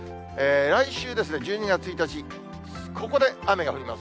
来週１２月１日、ここで雨が降ります。